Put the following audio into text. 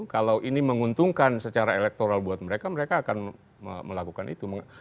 kalau ini menguntungkan secara elektoral buat mereka mereka akan melakukan itu